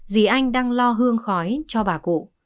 dì anh đang lo hương khói cho bà cụ